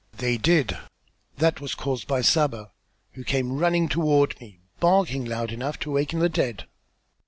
"They did. That was caused by Saba, who came running toward me, barking loud enough to awaken the dead."